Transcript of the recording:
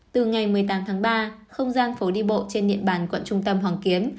từ ngày một mươi tám tháng ba không gian phố đi bộ trên địa bàn quận trung tâm hoàng kiếm